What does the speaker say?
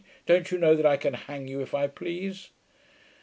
'Don't you know that I can hang you, if I please?'